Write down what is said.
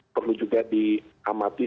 perlu juga di